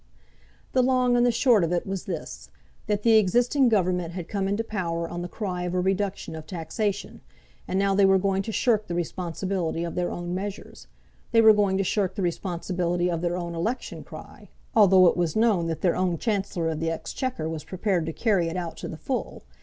The long and the short of it was this; that the existing Government had come into power on the cry of a reduction of taxation, and now they were going to shirk the responsibility of their own measures. They were going to shirk the responsibility of their own election cry, although it was known that their own Chancellor of the Exchequer was prepared to carry it out to the full.